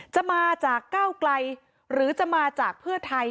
จะมาจากก้าวไกลหรือจะมาจากเพื่อไทย